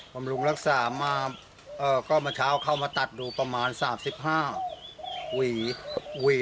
บำรุงรักษามาเอ่อก็เมื่อเช้าเข้ามาตัดดูประมาณสามสิบห้าหวี